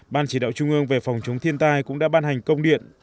ban chỉ đạo trung ương về phòng chống thiên tai cũng đã ban hành công điện